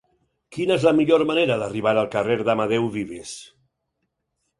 Quina és la millor manera d'arribar al carrer d'Amadeu Vives?